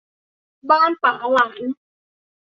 บ้านป๋าหลาน